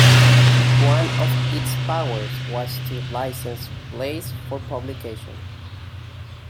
One of its powers was to license plays for publication.